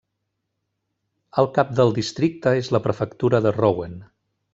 El cap del districte és la prefectura de Rouen.